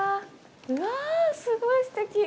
うわ、すごいすてき。